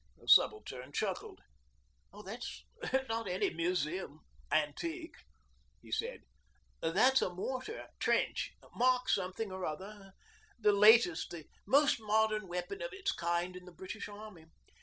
The subaltern chuckled. 'That's not any museum antique,' he said. 'That's a Mortar, Trench, Mark Something or other the latest, the most modern weapon of the kind in the British Army.